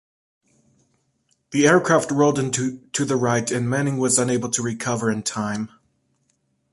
The aircraft rolled to the right and Manning was unable to recover in time.